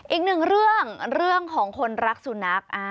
อีกหนึ่งรืองเรื่องของคนรักสูงนัก